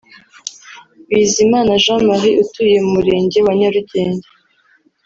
Bizimana Jean Marie utuye mu Murenge wa Nyarugenge